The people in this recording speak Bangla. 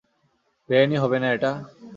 বেআইনি হবে না এটা?